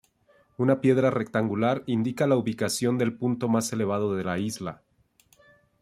Una piedra rectangular indica la ubicación del punto más elevado de la isla.